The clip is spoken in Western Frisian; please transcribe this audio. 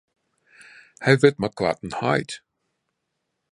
Hy wurdt mei koarten heit.